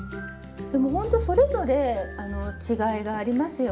でもほんとそれぞれ違いがありますよね。